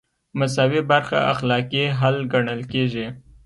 مساوي برخه اخلاقي حل ګڼل کیږي.